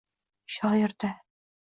Shoirda